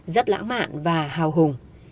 rất lãng mạn và hào hùng